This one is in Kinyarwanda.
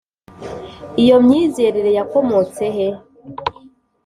iyo myizerere yakomotse he?